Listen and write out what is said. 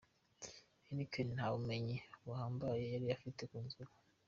Heineken nta bumenyi buhambaye yari afite ku nzoga.